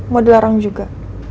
mau dilarang juga